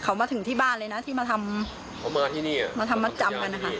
เขามาถึงที่บ้านเลยนะที่มาทำมาจำกันนะคะ